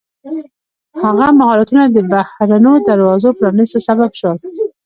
هغه مهارتونه د بحرونو د دروازو پرانیستلو سبب شول.